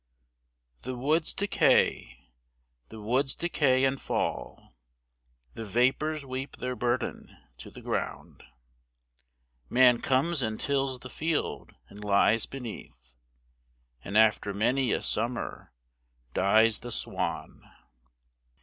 The woods decay, the woods decay and fall, The vapors weep their burthen to the ground, Man comes and tills the field and lies beneath, And after many a summer dies the swan.